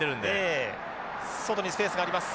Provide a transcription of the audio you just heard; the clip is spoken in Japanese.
外にスペースがあります。